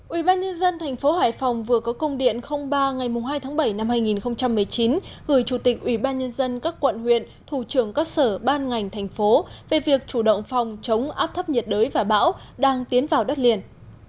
ubnd tp hải phòng vừa có công điện ba ngày hai tháng bảy năm hai nghìn một mươi chín gửi chủ tịch ubnd các quận huyện thủ trưởng các sở ban ngành thành phố về việc chủ động phòng chống áp thấp nhiệt đới và bão đang tiến vào đất liền